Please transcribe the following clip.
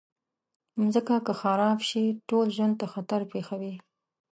مځکه که خراب شي، ټول ژوند ته خطر پېښوي.